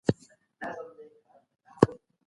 قوانین د انسانانو د بقا لپاره دي.